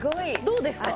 どうですか？